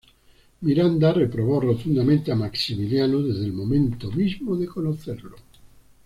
Miranda reprobó rotundamente a Maximiliano desde el momento mismo de conocerlo.